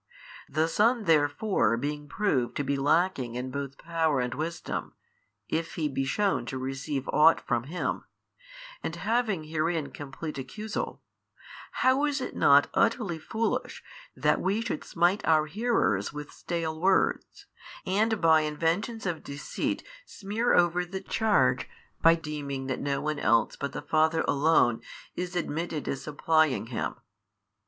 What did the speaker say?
The Son therefore being proved to be lacking in both power and wisdom, if He be shewn to receive ought from Him, and having herein complete accusal, how is it not utterly foolish that we should smite our hearers with stale words, and by inventions of deceit smear over the charge by deeming that no one else but the Father Alone is admitted as supplying Him?